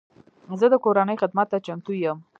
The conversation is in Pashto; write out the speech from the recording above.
زه د کورنۍ خدمت ته چمتو یم.